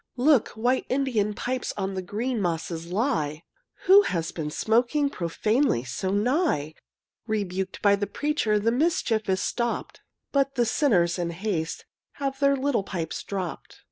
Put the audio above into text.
Look! white Indian pipes On the green mosses lie! Who has been smoking Profanely so nigh? Rebuked by the preacher The mischief is stopped, But the sinners, in haste, Have their little pipes dropped.